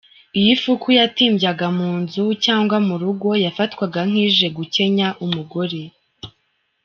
Iyo ifuku yatimbyaga mu nzu cyangwa mu rugo yafatwaga nk’ije gukenya umugore.